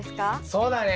そうだね。